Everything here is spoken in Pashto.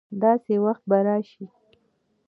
داسي وخت به راشي